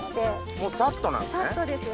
もうサッとなんですね。